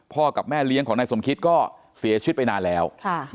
กับแม่เลี้ยงของนายสมคิตก็เสียชีวิตไปนานแล้ว